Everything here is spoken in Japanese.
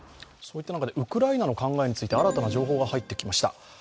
ウクライナの考えについて、新たな情報が入ってきました。